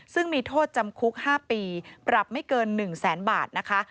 ซึ่งมีโทษจำคุก๕ปีปรับไม่เกิน๑แสนบาทนะคะ